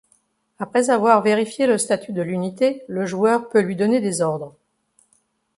Après avoir vérifié le statu de l’unité, le joueur peut lui donner des ordres.